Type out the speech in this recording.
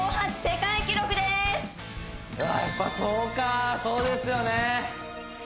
やっぱそうかそうですよね